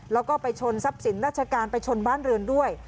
แล้วก็ไปชนทรัพย์สินราชการไปชนบ้านเรือนด้วย